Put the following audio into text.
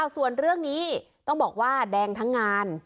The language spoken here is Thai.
ส่วนเรื่องนี้ต้องบอกว่าแดงทั้งงาน